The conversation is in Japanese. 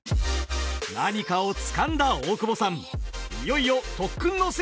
何かをつかんだ大久保さん！